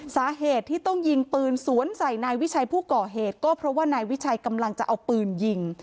สาเหตุที่ต้องยิงปืนสวนใส่นายวิชัยผู้ก่อเหตุก็เพราะว่านายวิชัยกำลังจะเอาปืนยิง